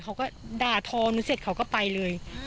ก็กลายเป็นว่าติดต่อพี่น้องคู่นี้ไม่ได้เลยค่ะ